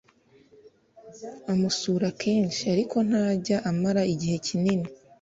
amusura kenshi, ariko ntajya amara igihe kinini